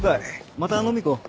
また飲みに行こう。